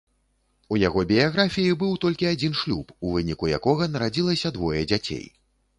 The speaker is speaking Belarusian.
У яго біяграфіі быў толькі адзін шлюб, у выніку якога нарадзілася двое дзяцей.